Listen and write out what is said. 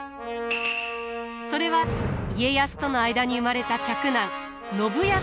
それは家康との間に生まれた嫡男信康を後見すること。